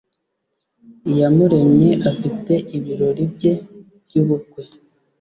iyamuremye afite ibirori bye by’ubukwe